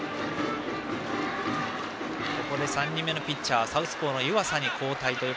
ここで３人目のピッチャーサウスポーの湯浅。